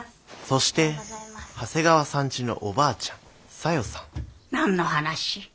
そして長谷川さんちのおばあちゃん小夜さん何の話？